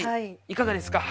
いかがですか。